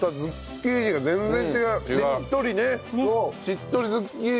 しっとりね。